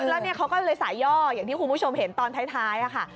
แล้วเนี่ยเขาก็เลยสายย่ออย่างที่คุณผู้ชมเห็นตอนท้ายค่ะ